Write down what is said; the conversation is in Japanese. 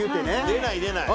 出ない出ない。